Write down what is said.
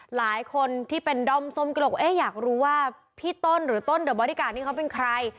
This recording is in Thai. หลายคนที่เป็นดอมส้มกระหลกเอ๊อยากรู้ว่าพี่ต้นหรือต้นเดอะบอดี้การ์นี่เขาเป็นใคร